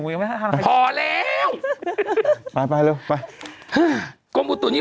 ยังไม่จบพี่บ้าอย่าไปพูดทำไมกูแก่แล้ว